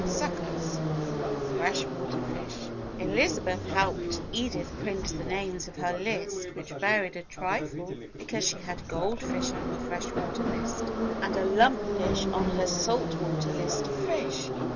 Suckers (Fresh water fish) Elizabeth helped Edith print the names of her list which varied a trifle because she had gold fish on her fresh water list and a lump fish on her salt water list of fish.